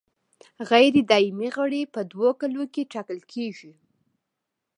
غیر دایمي غړي په دوو کالو کې ټاکل کیږي.